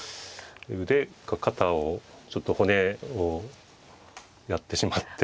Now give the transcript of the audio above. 腕か肩をちょっと骨をやってしまって。